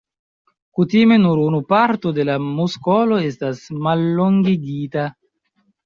Kutime nur unu parto de la muskolo estas mallongigita.